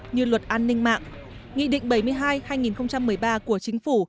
như luật an ninh mạng nghị định bảy mươi hai hai nghìn một mươi ba của chính phủ